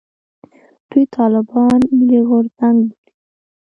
دوی طالبان «ملي غورځنګ» بولي.